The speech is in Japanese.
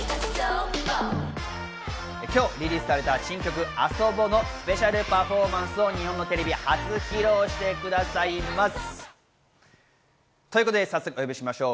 今日リリースされた新曲『ＡＳＯＢＯ』のスペシャルパフォーマンスを日本のテレビ初披露してくださいます。